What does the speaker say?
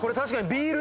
「ビール」